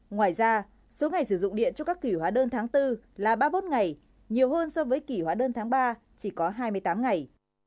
ngoài ra số ngày sử dụng điện cho các kỷ hóa đơn tháng bốn là ba mươi một ngày nhiều hơn so với kỷ hóa đơn tháng ba chỉ có hai mươi tám ngày